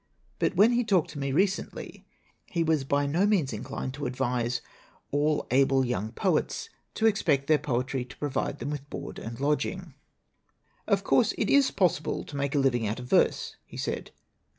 But when he talked to me recently he was by no means inclined to advise 10 I4S LITERATURE IN THE MAKING all able young poets to expect their poetry to provide them with board and lodging. "Of course it is possible to make a living out of verse," he said.